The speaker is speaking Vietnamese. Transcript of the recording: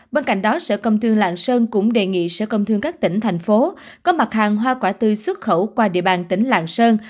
bên cạnh đó sở công thương lạng sơn cũng đề nghị sở công thương các tỉnh thành phố có mặt hàng hoa quả tươi xuất khẩu qua địa bàn tỉnh lạng sơn